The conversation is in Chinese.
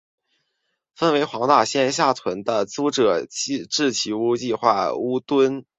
分为黄大仙下邨为租者置其屋计划屋邨。